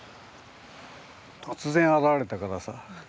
突然現れたからさ。